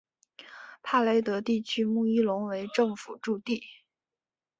帕雷德地区穆伊隆为政府驻地。